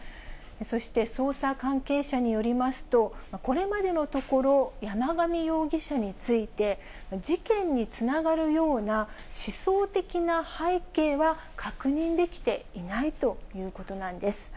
そして捜査関係者によりますと、これまでのところ、山上容疑者について、事件につながるような思想的な背景は確認できていないということなんです。